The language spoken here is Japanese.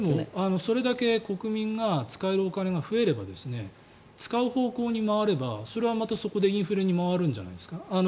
それだけ国民が使えるお金が増えれば使う方向に回ればそれは、またそこでインフレに回るんじゃないですか。